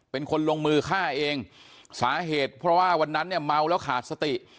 เป็นคนลงมือฆ่าเองสาเหตุเพราะว่าวันนั้นเนี่ยเมาแล้วขาดสติ